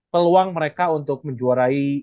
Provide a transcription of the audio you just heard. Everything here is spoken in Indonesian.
peluang mereka untuk menjuarai